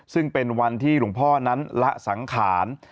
ซึ่งเป็นวันที่หลวงพ่อนั้นละสังขาร